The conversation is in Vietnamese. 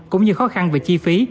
cũng như khó khăn về chi phí